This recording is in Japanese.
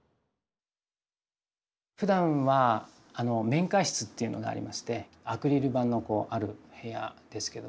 ふだんは面会室っていうのがありましてアクリル板のある部屋ですけども。